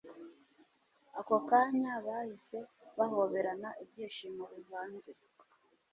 ako kanya bahise bahoberana ibyishimo bivanze